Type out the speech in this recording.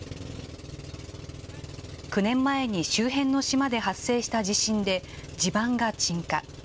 ９年前に周辺の島で発生した地震で地盤が沈下。